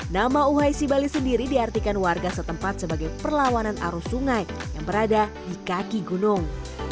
nama uhaysibali sendiri diartikan warga setempat sebagai perlawanan arus sungai yang berada di kaki gunung